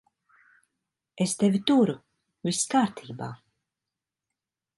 Es tevi turu. Viss kārtībā.